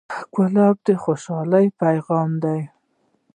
ګلاب د خوشحالۍ پیغام دی.